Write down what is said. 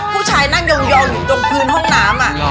ผู้ชายนั่งยองอยู่ตรงพื้นห้องน้ำ